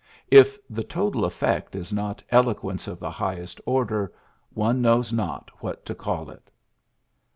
If the total efifect is not eloquence of the highest order, one knows not what to call it.